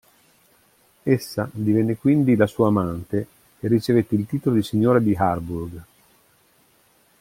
Essa divenne quindi la sua amante e ricevette il titolo di Signora di Harburg.